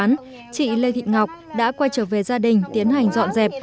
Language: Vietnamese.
trong khi di rời do nước ngập chị lê thị ngọc đã quay trở về gia đình tiến hành dọn dẹp